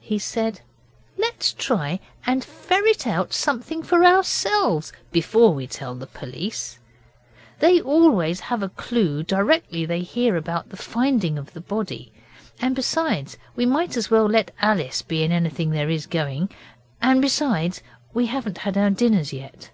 He said: 'Let's try and ferret out something for ourselves before we tell the police. They always have a clue directly they hear about the finding of the body. And besides, we might as well let Alice be in anything there is going. And besides, we haven't had our dinners yet.